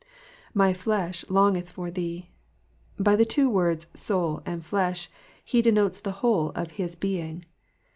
'''My flesh longeth for thee;'''' by the two words ''' souV and /e«/i,'* he denotes the whole of his being.